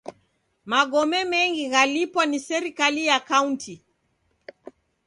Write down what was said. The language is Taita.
Magome mengi ghalipwa ni serikai ya kaunti.